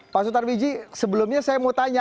pak sutar miji sebelumnya saya mau tanya